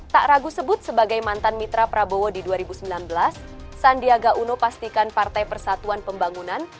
tak ragu sebut sebagai mantan mitra prabowo di dua ribu sembilan belas sandiaga uno pastikan partai persatuan pembangunan